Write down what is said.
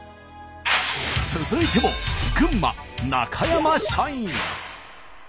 続いても群馬中山社員。